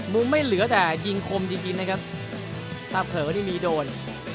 มุมไม่เหลือแต่ยิงคมจริงจริงนะครับถ้าเผลอนี่มีโดน